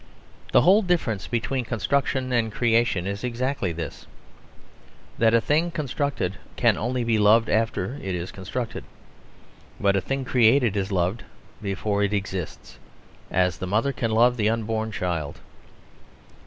The whole difference between construction and creation is exactly this: that a thing constructed can only be loved after it is constructed; but a thing created is loved before it exists, as the mother can love the unborn child.